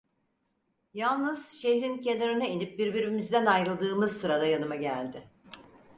Yalnız şehrin kenarında inip birbirimizden ayrıldığımız sırada yanıma geldi.